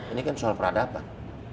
ini kan soal peradaban